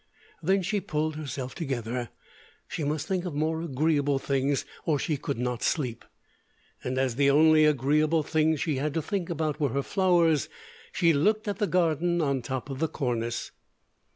Then she pulled herself together. She must think of more agreeable things or she could not sleep. And as the only agreeable things she had to think about were her flowers, she looked at the garden on top of the cornice.